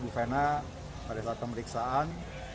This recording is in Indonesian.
fena pada saat pemeriksaan